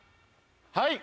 はい。